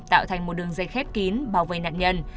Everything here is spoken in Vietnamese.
tạo thành một đường dây khép kín bảo vệ nạn nhân